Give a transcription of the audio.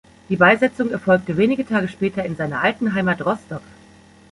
Die Beisetzung erfolgte wenige Tage später in seiner alten Heimat Rostock.